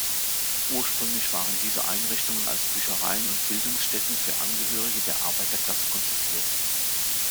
Ursprünglich waren diese Einrichtungen als Büchereien und Bildungsstätten für Angehörige der Arbeiterklasse konzipiert.